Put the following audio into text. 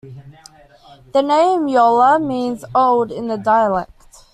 The name "Yola" means "old" in the dialect.